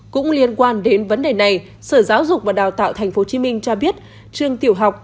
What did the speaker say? cũng liên quan đến vấn đề này sở giáo dục và đào tạo tp hcm cho biết trường tiểu học